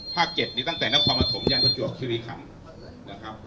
ภาค๗นี่ตั้งแต่นักความอาธรรมยันตุจัวคิริขัมนะครับ